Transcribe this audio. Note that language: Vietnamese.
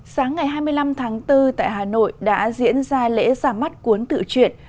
sáng ngày hai mươi năm tháng bốn tại hà nội đã diễn ra lễ giả mắt cuốn tự chuyển